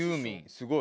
すごい。